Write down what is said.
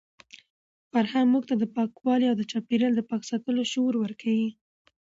فرهنګ موږ ته د پاکوالي او د چاپیریال د پاک ساتلو شعور ورکوي.